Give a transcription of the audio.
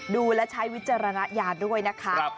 ดูและใช้วิจารณญาณด้วยนะคะ